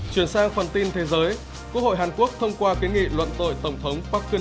hai nghìn một mươi quốc hội hàn quốc thông qua cáo amazingly cong vancouver